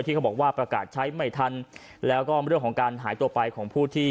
เขาบอกว่าประกาศใช้ไม่ทันแล้วก็เรื่องของการหายตัวไปของผู้ที่